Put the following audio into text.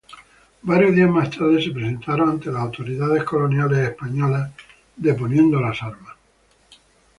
Varios días más tarde, se presentaron ante las autoridades coloniales españolas, deponiendo las armas.